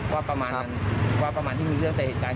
ประมาณนั้นว่าประมาณที่มีเรื่องแต่เหตุการณ์